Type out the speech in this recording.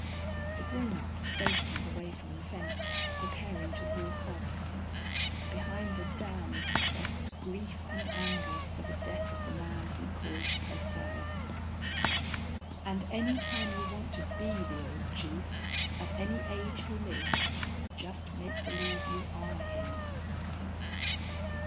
_ The grownup straightened away from the fence, preparing to walk off. Behind a dam pressed grief and anger for the death of the man he called Purcell. "And any time you want to be the old chief, at any age he lived, just make believe you are him."